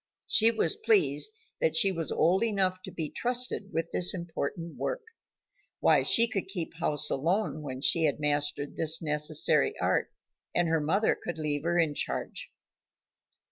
She was pleased that she was old enough to be trusted with this important work. Why, she could keep house alone when she had mastered this necessary art, and her mother could leave her in charge.